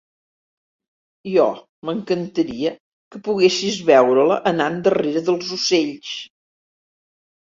I oh, m'encantaria que poguessis veure-la anant darrere dels ocells!